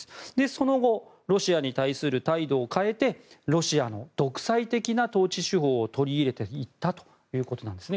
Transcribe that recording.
その後ロシアに対する態度を変えてロシアの独裁的な統治手法を取り入れていったということです。